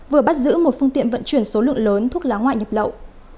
vừa bắt giữ một phương tiện vận chuyển số lượng lớn thuốc lá ngoại nhập lậu